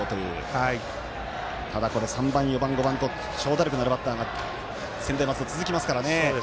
ただ、３番、４番、５番と長打力のあるバッターが専大松戸は続きますからね。